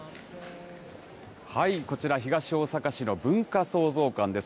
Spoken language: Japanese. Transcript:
こちら、東大阪市の文化創造館です。